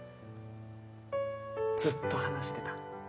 ずっと話してた。